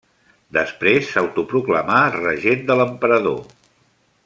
Després s'autoproclamà regent de l'emperador.